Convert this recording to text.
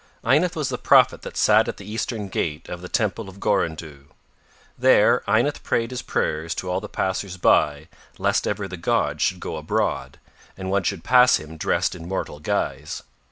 Ynath was the prophet that sat at the Eastern gate of the Temple of Gorandhu. There Ynath prayed his prayers to all the passers by lest ever the gods should go abroad, and one should pass him dressed in mortal guise.